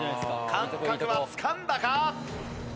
感覚はつかんだか？